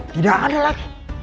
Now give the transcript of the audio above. tidak ada lagi